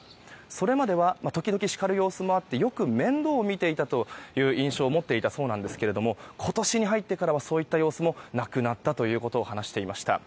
それまでは時々、叱る様子もあってよく面倒を見ていたという印象を持っていたそうなんですが今年に入ってからはそういった様子もなくなったということを話していました。